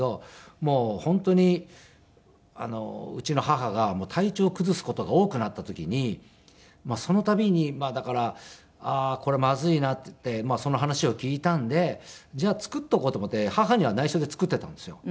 もう本当にうちの母が体調を崩す事が多くなった時にその度にだからああーこれはまずいなっていってその話を聞いたんでじゃあ作っておこうと思って母には内緒で作っていたんですよ。